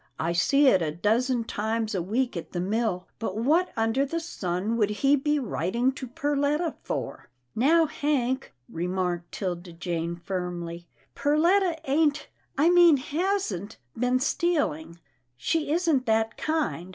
I see it a dozen times a week at the mill, but what under the sun would he be writing to Perletta for ?"" Now, Hank," remarked 'Tilda Jane, firmly, " Perletta ain't, I mean hasn't, been stealing. She isn't that kind.